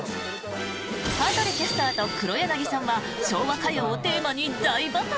羽鳥キャスターと黒柳さんは昭和歌謡をテーマに大バトル！